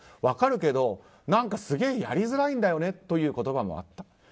分かるけどなんかすげえやりづらいんだよねという言葉もあった。